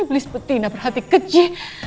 iblis seperti tidak berhati kecil